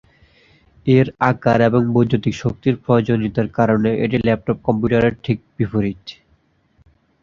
এর আকার এবং বৈদ্যুতিক শক্তির প্রয়োজনীয়তার কারণে এটি ল্যাপটপ কম্পিউটারের ঠিক বিপরীত।